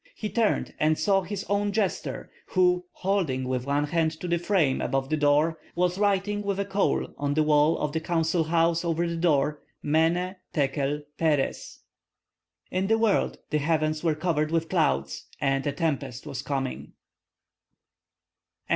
He turned and saw his own jester, who, holding with one hand to the frame above the door, was writing with a coal on the wall of the council house over the door: "Mene Tekel Peres." In the world the heavens were covered with clouds, and a tempest was coming.